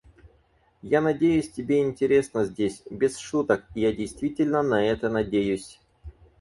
Я надеюсь, тебе интересно здесь. Без шуток, я действительно на это надеюсь.